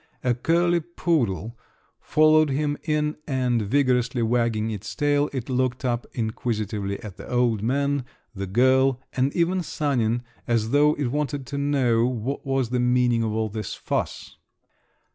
A curly poodle followed him in, and vigorously wagging its tail, it looked up inquisitively at the old man, the girl, and even Sanin, as though it wanted to know what was the meaning of all this fuss.